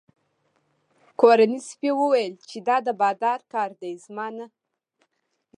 کورني سپي وویل چې دا د بادار کار دی نه زما.